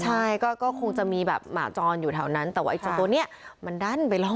ใช่ก็คงจะมีแบบหมาจรอยู่แถวนั้นแต่ว่าอีกตัวตัวเนี่ยมันดั้นไปแล้ว